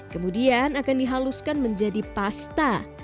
kemudian akan dihaluskan menjadi pasta